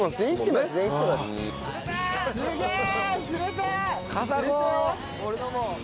すげえ！